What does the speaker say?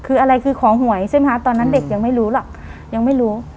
คืออะไรคือของหวยใช่ไหมคะตอนนั้นเด็กยังไม่รู้หรอกยังไม่รู้